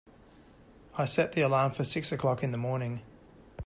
I set the alarm for six o'clock in the morning.